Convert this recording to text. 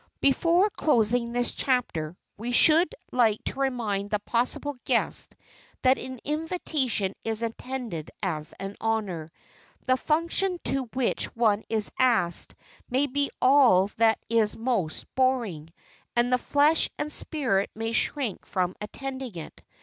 Before closing this chapter we should like to remind the possible guest that an invitation is intended as an honor. The function to which one is asked may be all that is most boring, and the flesh and spirit may shrink from attending it.